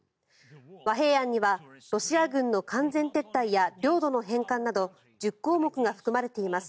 和平案にはロシア軍の完全撤退や領土の返還など１０項目が含まれています。